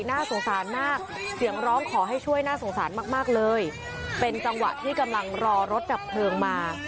น่าสงสารมากเสียงร้องขอให้ช่วยน่าสงสารมากมากเลยเป็นจังหวะที่กำลังรอรถดับเพลิงมา